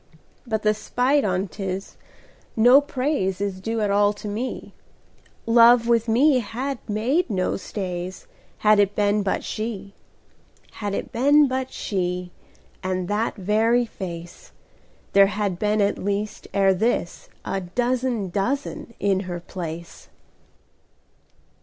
But the spite on 't is, no praiseIs due at all to me:Love with me had made no stays, Had it any been but she. Had it any been but she, And that very face, There had been at least ere thisA dozen dozen in her place.